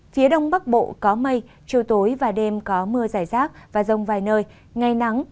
phía đông bắc bộ có mây chiều tối và đêm có mưa giải rác và rông vài nơi ngày nắng